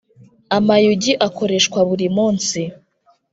Amayugi akoreshwa burimunsi.